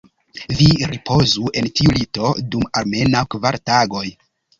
Vi ripozu en tiu lito dum almenaŭ kvar tagoj.